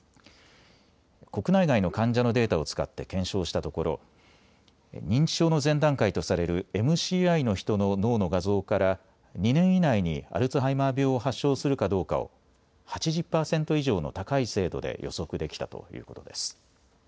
国内外の患者のデータを使って検証したところ認知症の前段階とされるＭＣＩの人の脳の画像から２年以内にアルツハイマー病を発症するかどうかを８０％以上の高い精度で予測できたということです。